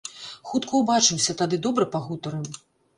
Хутка ўбачымся, тады добра пагутарым.